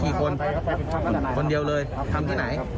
กี่คนคนเดียวเลยทำที่ไหน